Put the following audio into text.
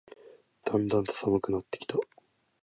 だんだんと寒くなってきた